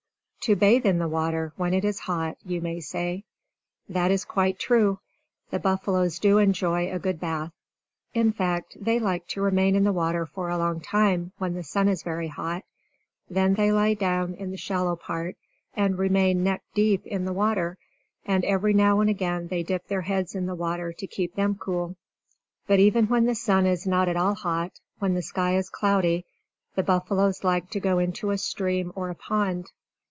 "To bathe in the water, when it is hot," you may say. That is quite true; the buffaloes do enjoy a good bath. In fact, they like to remain in the water for a long time, when the sun is very hot. Then they lie down in the shallow part, and remain neck deep in the water. And every now and again they dip their heads in the water to keep them cool. But even when the sun is not at all hot, when the sky is cloudy, the buffaloes like to go into a stream or a pond.